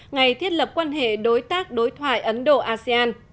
ngày thiết lập quan hệ đối tác đối thoại ấn độ asean